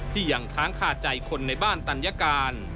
ยังค้างคาใจคนในบ้านตัญการ